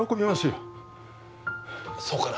そうかな？